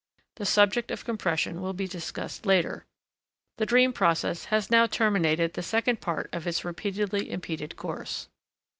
The subject of compression will be discussed later. The dream process has now terminated the second part of its repeatedly impeded course.